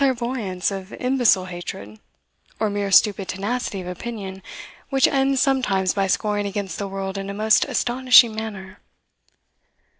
Was it the clairvoyance of imbecile hatred, or mere stupid tenacity of opinion, which ends sometimes by scoring against the world in a most astonishing manner?